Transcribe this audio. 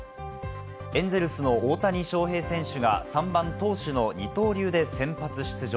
エンゼルスの大谷翔平選手が２番・投手の二刀流で先発出場。